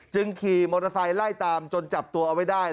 ขี่มอเตอร์ไซค์ไล่ตามจนจับตัวเอาไว้ได้